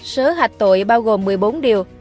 sớ hạch tội bao gồm một mươi bốn điều